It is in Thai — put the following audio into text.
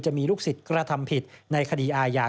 จะมีลูกศิษย์กระทำผิดในคดีอาญา